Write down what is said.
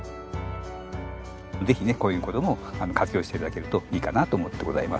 ぜひねこういう事も活用して頂けるといいかなと思ってございます。